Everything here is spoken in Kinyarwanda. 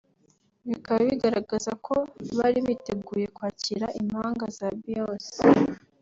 bikaba bigaragaraza ko bari biteguye kwakira impanga za Beyonce